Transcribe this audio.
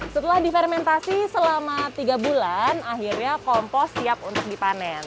setelah difermentasi selama tiga bulan akhirnya kompos siap untuk dipanen